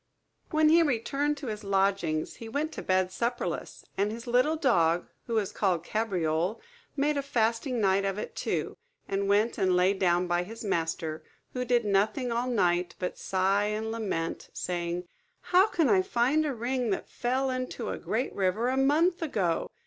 When he returned to his lodgings, he went to bed supperless; and his little dog, who was called Cabriole, made a fasting night of it too, and went and lay down by his master; who did nothing all night but sigh and lament, saying, "How can I find a ring that fell into a great river a month ago?